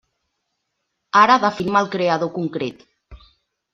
Ara definim el creador concret.